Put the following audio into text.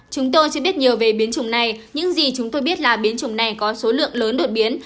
chúng tôi chưa biết nhiều về biến chủng này những gì chúng tôi biết là biến chủng này có số lượng lớn đột biến